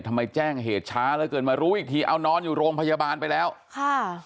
แจ้งเหตุช้าเหลือเกินมารู้อีกทีเอานอนอยู่โรงพยาบาลไปแล้วค่ะ